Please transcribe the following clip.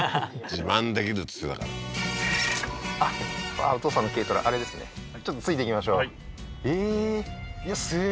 自慢できるっつってたからあっお父さんの軽トラあれですねちょっとついていきましょうええー